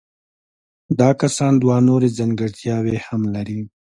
دا کسان دوه نورې ځانګړتیاوې هم لري.